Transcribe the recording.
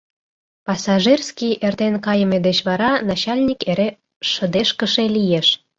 Пассажирский эртен кайыме деч вара начальник эре шыдешкыше лиеш.